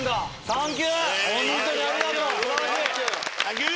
サンキュー！